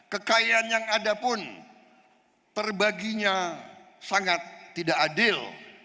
kekayaan yang ada pun terbaginya sangat tidak adil